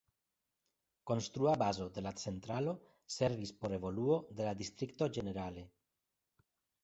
Konstrua bazo de la centralo servis por evoluo de la distrikto ĝenerale.